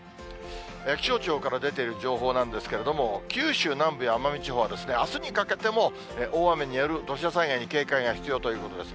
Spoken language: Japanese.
気象庁から出ている情報なんですけれども、九州南部や奄美地方は、あすにかけても、大雨による土砂災害に警戒が必要ということです。